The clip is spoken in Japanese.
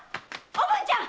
おぶんちゃん！